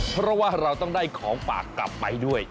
เพราะว่าเราต้องได้ของฝากกลับไปด้วย